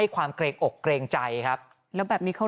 ปี๖๕วันเกิดปี๖๔ไปร่วมงานเช่นเดียวกัน